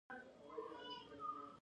د پښتورګو د درد لپاره کومې اوبه وڅښم؟